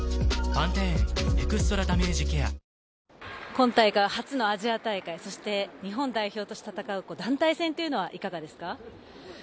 今大会初のアジア大会、そして日本代表として戦う団体戦としてはどうですか？